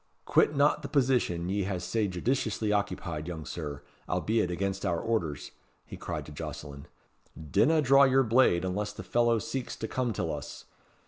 Quit not the position ye hae sae judiciously occupied, young Sir, albeit against our orders," he cried to Jocelyn. "Dinna draw your blade unless the fellow seeks to come till us.